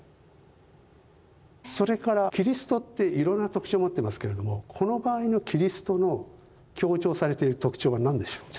それからキリストっていろいろな特徴を持ってますけれどもこの場合のキリストの強調されている特徴は何でしょう？